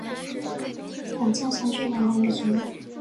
两站相距二百米左右。